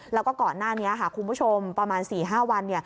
แล้วก็ก่อนหน้านี้ค่ะคุณผู้ชมประมาณ๔๕วัน